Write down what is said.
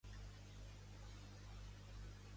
Què va passar quan van emparar Jàson i Medea?